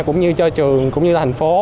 cũng như cho trường cũng như là thành phố